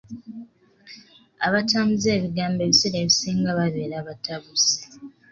Abatambuza ebigambo ebiseera ebisinga babeera batabuzi.